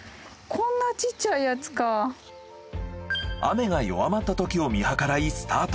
雨が弱まったときを見計らいスタート。